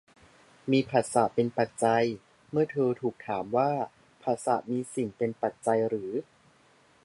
มีผัสสะเป็นปัจจัย เมื่อเธอถูกถามว่าผัสสะมีสิ่งเป็นปัจจัยหรือ